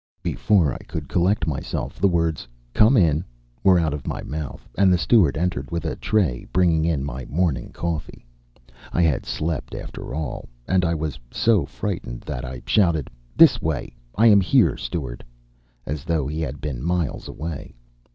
Before I could collect myself the words "Come in" were out of my mouth, and the steward entered with a tray, bringing in my morning coffee. I had slept, after all, and I was so frightened that I shouted, "This way! I am here, steward," as though he had been miles away.